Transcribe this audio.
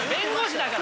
だから。